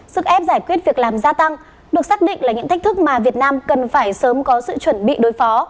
sức ép giải quyết việc làm gia tăng được xác định là những thách thức mà việt nam cần phải sớm có sự chuẩn bị đối phó